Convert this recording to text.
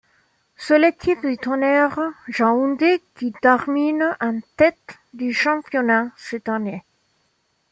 C'est l'équipe du Tonnerre Yaoundé qui termine en tête du championnat cette année.